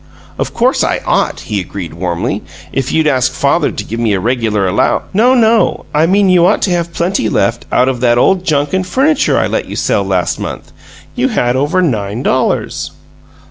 "Of course I ought," he agreed, warmly. "If you'd ask father to give me a regular allow " "No, no; I mean you ought to have plenty left out of that old junk and furniture I let you sell last month. You had over nine dollars!'